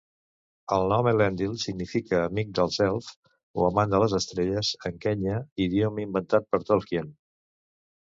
El nom Elendil significa "amic dels elfs" o "amant de les estrelles" en quenya, l'idioma inventat per Tolkien.